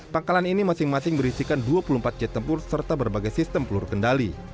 pangkalan ini masing masing berisikan dua puluh empat jet tempur serta berbagai sistem peluru kendali